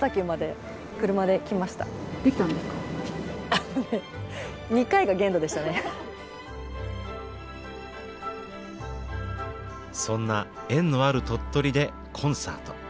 あのねそんな縁のある鳥取でコンサート。